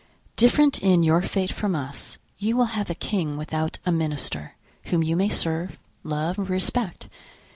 Different in your fate from us, you will have a king without a minister, whom you may serve, love, respect.